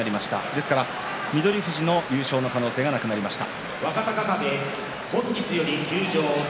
ですから翠富士の優勝の可能性がなくなりました。